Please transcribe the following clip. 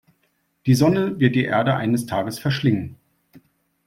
Die Sonne wird die Erde eines Tages verschlingen.